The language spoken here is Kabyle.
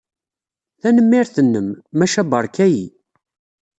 Tanemmirt-nnem, maca beṛka-iyi.